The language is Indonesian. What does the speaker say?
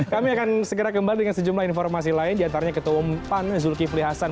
kami akan segera kembali dengan sejumlah informasi lain diantaranya ketua umum pan zulkifli hasan